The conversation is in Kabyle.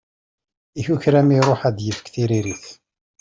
Ikukra mi iruḥ ad d-yefk tiririt.